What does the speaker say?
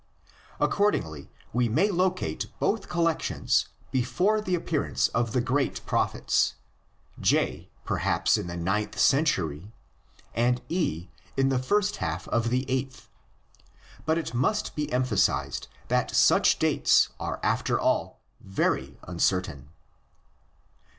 Accordingly we may locate both collections before the appearance of the great Prophets, J perhaps in the ninth century and E in the first half of the eighth; but it must be emphasized that such dates are after all very uncertain.